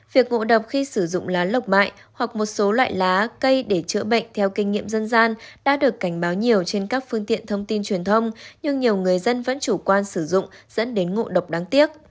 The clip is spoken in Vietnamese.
việc ngộ độc khi sử dụng lá lộc mại hoặc một số loại lá cây để chữa bệnh theo kinh nghiệm dân gian đã được cảnh báo nhiều trên các phương tiện thông tin truyền thông nhưng nhiều người dân vẫn chủ quan sử dụng dẫn đến ngộ độc đáng tiếc